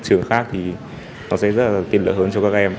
các trường khác thì nó sẽ rất là tiện lợi hơn cho các em